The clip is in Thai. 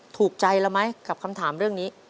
ถูกใจเราไหมกับคำถามเรื่องนี้